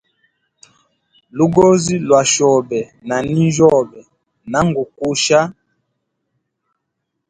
Lugozi lwa chobe na ninjyobe, nangu kusha.